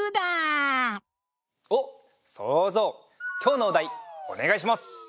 おっそうぞうきょうのおだいおねがいします。